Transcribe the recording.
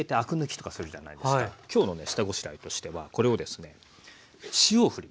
今日のね下ごしらえとしてはこれをですね塩をふります。